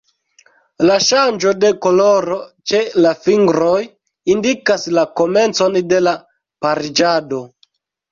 La ŝanĝo de koloro ĉe la fingroj indikas la komencon de la pariĝado.